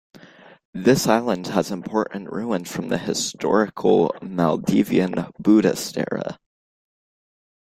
This island has important ruins from the historical Maldivian Buddhist era.